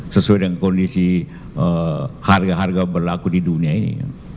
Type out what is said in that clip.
sesuai dengan kondisi harga harga berlaku di dunia ini